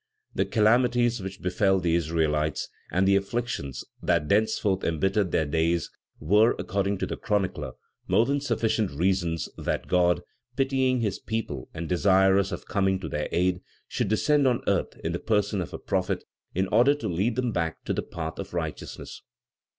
The calamities which befell the Israelites, and the afflictions that thenceforth embittered their days were, according to the chronicler, more than sufficient reasons that God, pitying his people and desirous of coming to their aid, should descend on earth in the person of a prophet, in order to lead them back to the path of righteousness.